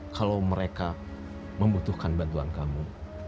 kalau mereka membutuhkan bantuan kamu